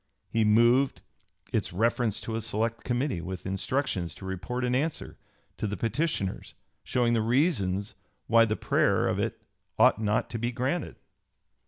He moved "its reference to a select committee, with instructions to report an answer to the petitioners showing the reasons why the prayer of it ought not to be granted."